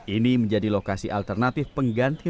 ini menjadi lokasi alternatif pengganti